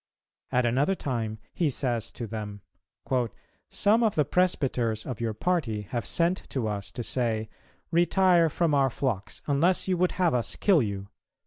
At another time he says to them, "Some of the presbyters of your party have sent to us to say, 'Retire from our flocks, unless you would have us kill you.'